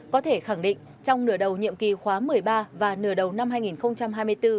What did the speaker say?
có thể khẳng định trong nửa đầu nhiệm kỳ khóa một mươi ba và nửa đầu năm hai nghìn hai mươi bốn